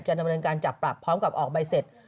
ดำเนินการจับปรับพร้อมกับออกใบเสร็จ